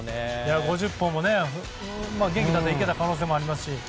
５０本も元気だったら行けた可能性もありますし。